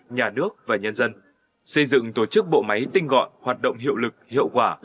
nhà nước và nhân dân xây dựng tổ chức bộ máy tinh gọn hoạt động hiệu lực hiệu quả